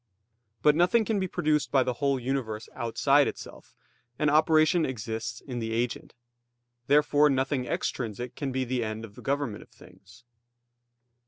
But nothing can be produced by the whole universe outside itself; and operation exists in the agent. Therefore nothing extrinsic can be the end of the government of things.